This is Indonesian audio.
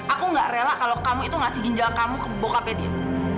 aku nggak rela kalau kamu itu ngasih ginjal kamu ke bokapnya dia